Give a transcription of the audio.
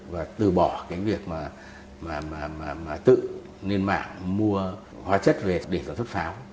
và từ bỏ việc tự lên mạng mua hóa chất về để tổ chức pháo